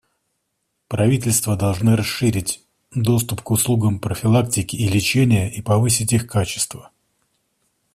Правительства должны расширить доступ к услугам профилактики и лечения и повысить их качество.